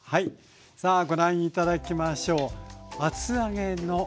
さあご覧頂きましょう。